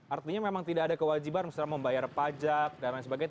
artinya memang tidak ada kewajiban misalnya membayar pajak dan lain sebagainya